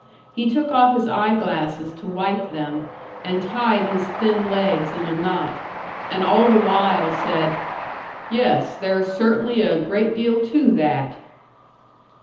He took off his eye glasses to wipe them and tied his thin legs in a knot, and all the while said, "Yes, there's certainly a great deal to that."